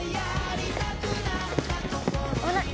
危ない！